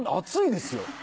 熱いですよ。